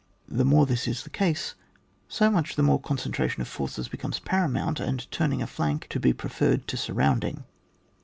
The more this is the case, so much the more concentration of forces becomes paramount, and turning a flank to be preferred to surrounding.